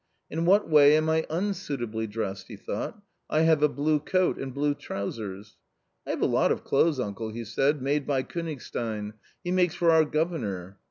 " In what way am I unsuitably dressed ?" he thought, " I have a blue coat and blue trousers. " I have a lot of clothes, uncle,'* he said, " made by Kcenigstein ; he makes for our governor."